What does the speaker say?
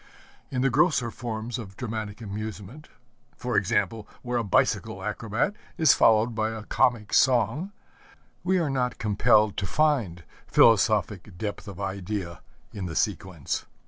In the grosser forms of dramatic amusement for example, where a bicycle acrobat is followed by a comic song we are not compelled to find philosophic depth of idea in the sequence.